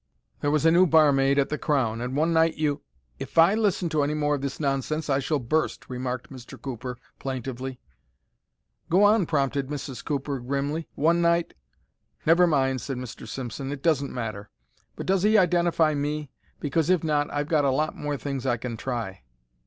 "There was a new barmaid at the Crown, and one night you——" "If I listen to any more of this nonsense I shall burst," remarked Mr. Cooper, plaintively. "Go on," prompted Mrs. Cooper, grimly. "One night——" "Never mind," said Mr. Simpson. "It doesn't matter. But does he identify me? Because if not I've got a lot more things I can try."